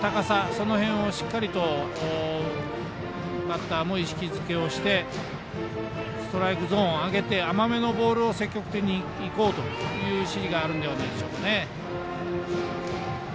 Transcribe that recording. その辺をしっかりとバッターも意識づけをしてストライクゾーンを上げて甘めのボールを積極的にいこうという指示があるんではないでしょうか